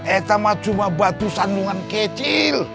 etama cuma batu sandungan kecil